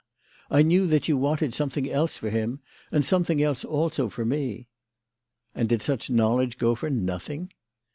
" I knew that you wanted something else for him, and something else also for me." " And did such knowledge go for nothing?"